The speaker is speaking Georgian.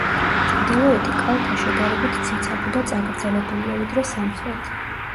ჩრდილოეთი კალთა შედარებით ციცაბო და წაგრძელებულია, ვიდრე სამხრეთი.